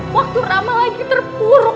waktu rama lagi terburuk